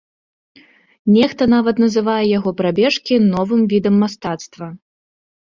Нехта нават называе яго прабежкі новым відам мастацтва.